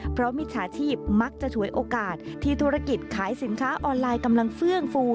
เพราะมิจฉาชีพมักจะฉวยโอกาสที่ธุรกิจขายสินค้าออนไลน์กำลังเฟื่องฟู